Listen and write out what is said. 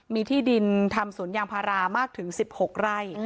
มีที่ดินทำสวนยางพารามากถึง๑๖ไร่